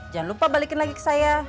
jangan lupa balikin lagi ke saya